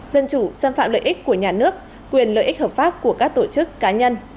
dân chủ xâm phạm lợi ích của nhà nước quyền lợi ích hợp pháp của các tổ chức cá nhân